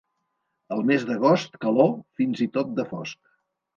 El mes d'agost, calor, fins i tot de fosc.